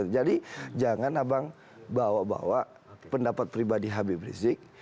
jadi jangan abang bawa bawa pendapat pribadi habib rizik